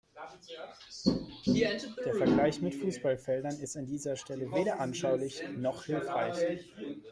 Der Vergleich mit Fußballfeldern ist an dieser Stelle weder anschaulich noch hilfreich.